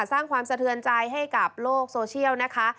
สร้างความสะเทือนใจให้กับโลกโซเชียลนะคะ